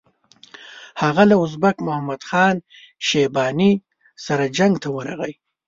هغه له ازبک محمد خان شیباني سره جنګ ته ورغی.